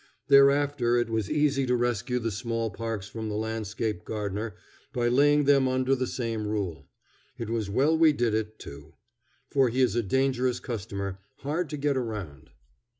Thereafter it was easy to rescue the small parks from the landscape gardener by laying them under the same rule. It was well we did it, too, for he is a dangerous customer, hard to get around.